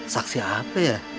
saksi apa ya